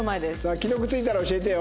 既読ついたら教えてよ。